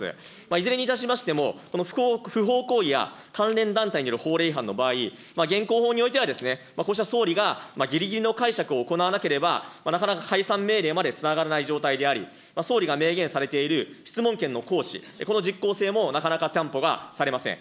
いずれにいたしましても、この不法行為や関連団体による法令違反の場合、現行法においては、こうした総理が、ぎりぎりの解釈を行わなければ、なかなか解散命令までつながらない状態であり、総理が明言されている、質問権の行使、この実効性もなかなか担保がされません。